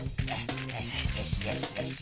よしよしよし。